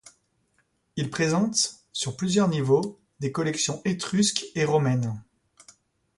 Il présente, sur plusieurs niveaux, des collections étrusque et romaine.